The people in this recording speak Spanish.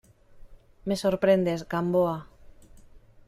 me sorprendes, Gamboa.